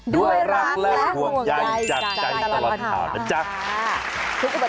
ด้วยรักและห่วงใยจากใจตลอดข่าวนะจ๊ะ